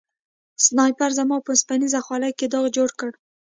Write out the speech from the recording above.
سنایپر زما په اوسپنیزه خولۍ کې داغ جوړ کړ